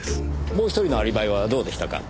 もう１人のアリバイはどうでしたか？